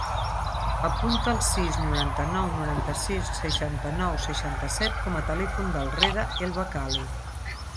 Apunta el sis, noranta-nou, noranta-sis, seixanta-nou, seixanta-set com a telèfon del Reda El Bakkali.